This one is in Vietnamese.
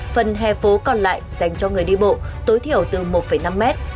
phần hè phố còn lại dành cho người đi bộ tối thiểu từ một năm mét